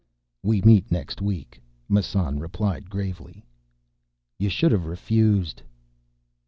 "We meet next week," Massan replied gravely. "You should have refused."